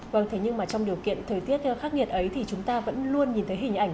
vâng thế nhưng mà trong điều kiện thời tiết khắc nghiệt ấy thì chúng ta vẫn luôn nhìn thấy hình ảnh